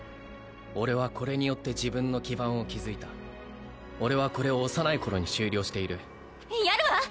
俺はこれによって自分の基盤を築いた俺はこれを幼い頃に修了しているやるわ！